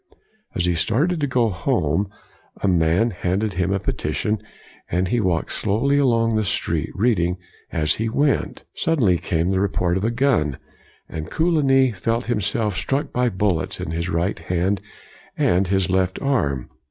As he started to go home, a man handed him a petition and he walked slowly along the street, COLIGNY 161 reading as he went. Suddenly came the report of a gun, and Coligny felt himself struck by bullets in his right hand and his left arm.